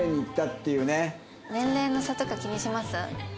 年齢の差とか気にします？